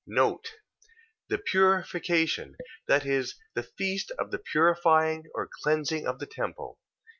The purification... That is, the feast of the purifying or cleansing of the temple.